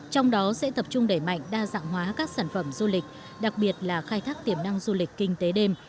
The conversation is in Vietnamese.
trong đó sẽ tập trung đẩy mạnh đa dạng hóa các sản phẩm du lịch đặc biệt là khai thác tiềm năng du lịch kinh tế đêm